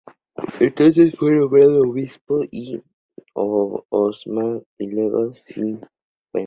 Entonces fue nombrado obispo de Osma y luego de Sigüenza.